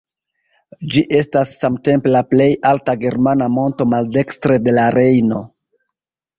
Ĝi estas samtempe la plej alta germana monto maldekstre de la Rejno.